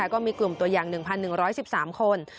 ก็มีกลุ่มตัวอย่าง๑๑๑๓คน